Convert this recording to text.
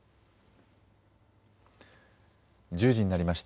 １０時になりました。